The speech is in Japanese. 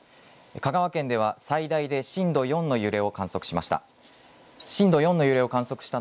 香川県では最大で震度４の揺れを観測しました。